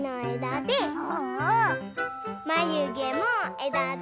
まゆげもえだで。